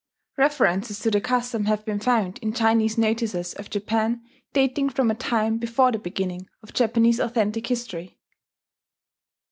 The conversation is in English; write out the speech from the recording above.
References to the custom have been found in Chinese notices of Japan dating from a time before the beginning of Japanese authentic history.